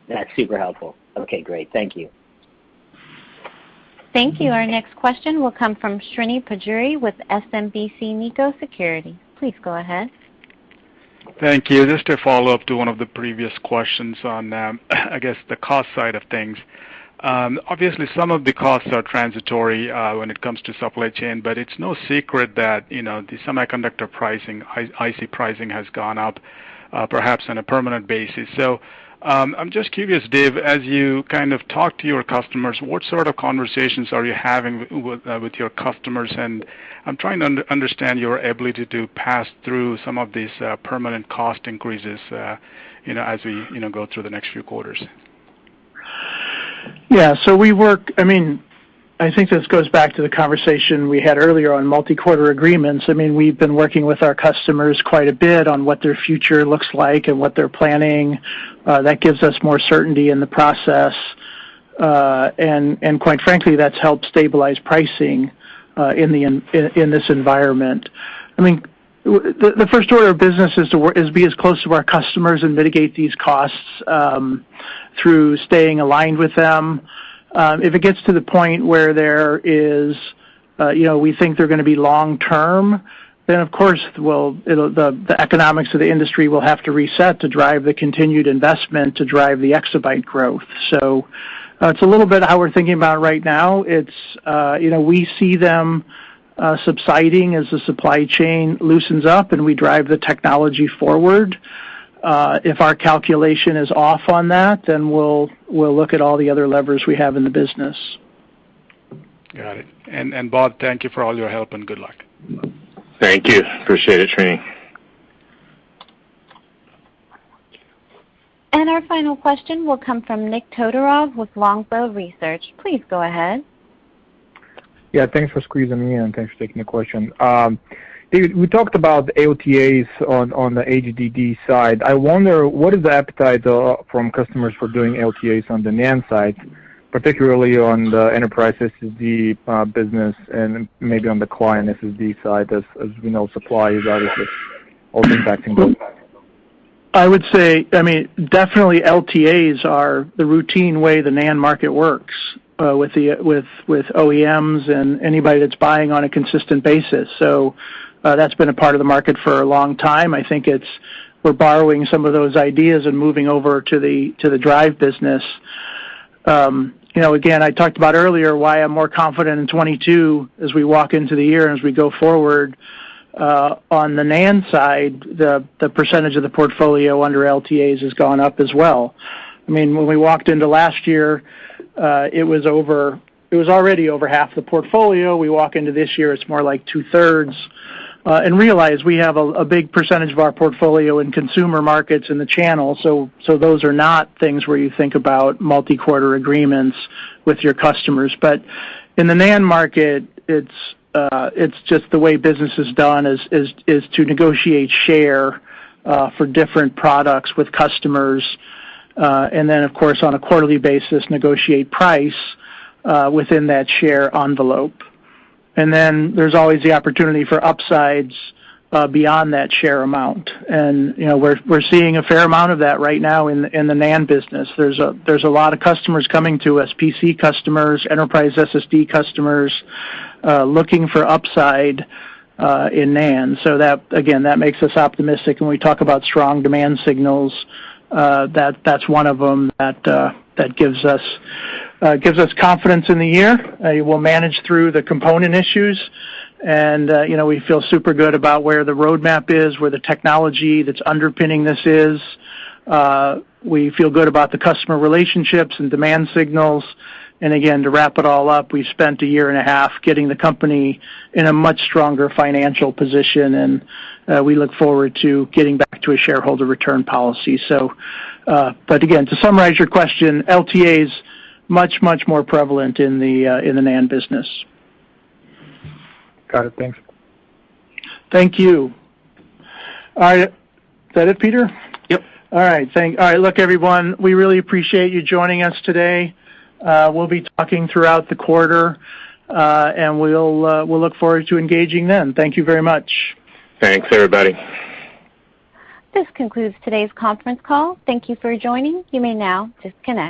That's super helpful. Okay, great. Thank you. Thank you. Our next question will come from Srini Pajjuri with SMBC Nikko Securities. Please go ahead. Thank you. Just to follow up to one of the previous questions on, I guess, the cost side of things. Obviously, some of the costs are transitory, when it comes to supply chain, but it's no secret that, you know, the semiconductor pricing, IC pricing has gone up, perhaps on a permanent basis. I'm just curious, Dave, as you kind of talk to your customers, what sort of conversations are you having with your customers? I'm trying to understand your ability to pass through some of these, permanent cost increases, you know, as we, you know, go through the next few quarters. I mean, I think this goes back to the conversation we had earlier on multi-quarter agreements. I mean, we've been working with our customers quite a bit on what their future looks like and what they're planning. That gives us more certainty in the process, and quite frankly, that's helped stabilize pricing in this environment. I mean, the first order of business is to be as close to our customers and mitigate these costs through staying aligned with them. If it gets to the point where there is you know, we think they're gonna be long term, then of course, the economics of the industry will have to reset to drive the continued investment to drive the exabyte growth. It's a little bit how we're thinking about right now. It's, you know, we see them subsiding as the supply chain loosens up, and we drive the technology forward. If our calculation is off on that, then we'll look at all the other levers we have in the business. Got it. Bob, thank you for all your help, and good luck. Thank you. Appreciate it, Srini. Our final question will come from Nik Todorov with Longbow Research. Please go ahead. Yeah, thanks for squeezing me in. Thanks for taking the question. David, we talked about LTAs on the HDD side. I wonder what is the appetite from customers for doing LTAs on the NAND side, particularly on the enterprise SSD business and maybe on the client SSD side as we know, supply is obviously also impacting those. I would say, I mean, definitely LTAs are the routine way the NAND market works with the OEMs and anybody that's buying on a consistent basis. That's been a part of the market for a long time. I think it's, we're borrowing some of those ideas and moving over to the drive business. You know, again, I talked about earlier why I'm more confident in 2022 as we walk into the year and as we go forward. On the NAND side, the percentage of the portfolio under LTAs has gone up as well. I mean, when we walked into last year, it was already over half the portfolio. We walk into this year, it's more like two-thirds. Realize we have a big percentage of our portfolio in consumer markets in the channel, so those are not things where you think about multi-quarter agreements with your customers. In the NAND market, it's just the way business is done to negotiate share for different products with customers, then, of course, on a quarterly basis, negotiate price within that share envelope. There's always the opportunity for upsides beyond that share amount. You know, we're seeing a fair amount of that right now in the NAND business. There's a lot of customers coming to us, PC customers, enterprise SSD customers, looking for upside in NAND. That again makes us optimistic, and we talk about strong demand signals. That's one of them that gives us confidence in the year. We'll manage through the component issues, and you know, we feel super good about where the roadmap is, where the technology that's underpinning this is. We feel good about the customer relationships and demand signals. Again, to wrap it all up, we've spent a year and a half getting the company in a much stronger financial position, and we look forward to getting back to a shareholder return policy. To summarize your question, LTA is much, much more prevalent in the NAND business. Got it. Thanks. Thank you. All right. Is that it, Peter? Yep. All right. Look, everyone, we really appreciate you joining us today. We'll be talking throughout the quarter, and we'll look forward to engaging then. Thank you very much. Thanks, everybody. This concludes today's conference call. Thank you for joining. You may now disconnect.